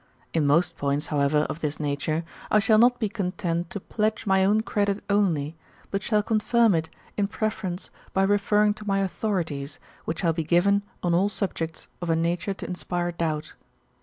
In most points, however, of this nature, I shall not be content to pledge my own credit onlj^, but shall confirm it in preference by referring to my authorities, which shall be given on aU subjects of a nature to inspire doubt.